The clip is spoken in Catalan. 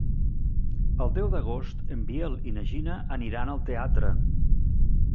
El deu d'agost en Biel i na Gina aniran al teatre.